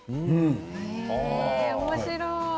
おもしろい。